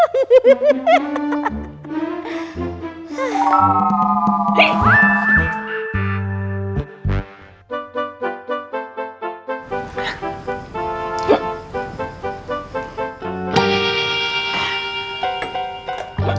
pernidahan cetar membahana badai abad ini